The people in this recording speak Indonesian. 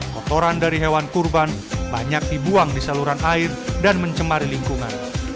kotoran dari hewan kurban banyak dibuang di saluran air dan mencemari lingkungan